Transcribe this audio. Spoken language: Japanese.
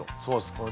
そうです